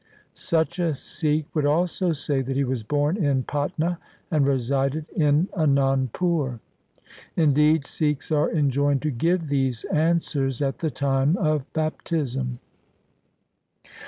Such a Sikh would also say that he was born in Patna, and resided in Anandpur. Indeed, Sikhs are enjoined to give these answers at the time of bap tism.